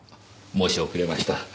申し遅れました。